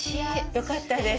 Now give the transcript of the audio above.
よかったです。